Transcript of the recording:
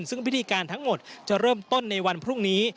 ซึ่งพิธีการทั้งหมดจะเริ่มต้นในวันพรุ่งนี้